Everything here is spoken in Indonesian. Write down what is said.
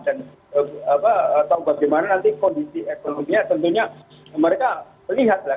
dan tau bagaimana nanti kondisi ekonominya tentunya mereka lihat lah